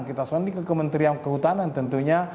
kita sonding ke kementerian kehutanan tentunya